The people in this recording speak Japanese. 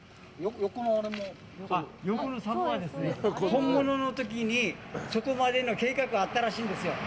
本物の時にそこまでの計画があったらしいんですよ。